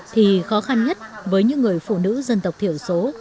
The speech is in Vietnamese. thì khó khăn nhất với những người phụ nữ dân tộc thiểu số